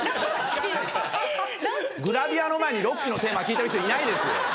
グラビアの前に『ロッキー』のテーマ聴いてる人いないですよ。